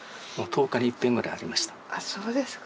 あそうですか。